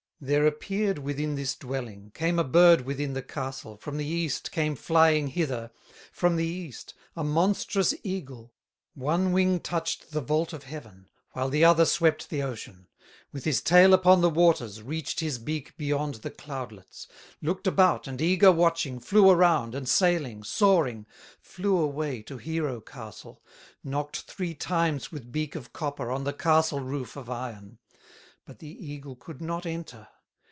"There appeared within this dwelling, Came a bird within the castle, From the East came flying hither, From the East, a monstrous eagle, One wing touched the vault of heaven, While the other swept the ocean; With his tail upon the waters, Reached his beak beyond the cloudlets, Looked about, and eager watching, Flew around, and sailing, soaring, Flew away to hero castle, Knocked three times with beak of copper On the castle roof of iron; But the eagle could not enter.